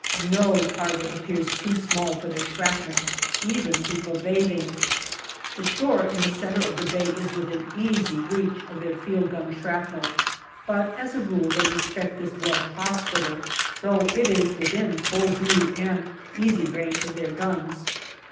No target appears too small for their shrapnel, even people bathing. The shore in the centre of the bay is within easy reach of their field gun shrapnel, but as a rule they respect this Welsh hospital, though it is within full view and easy range of their guns.